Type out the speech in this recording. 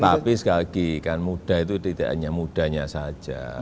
tapi sekali lagi kan muda itu tidak hanya mudanya saja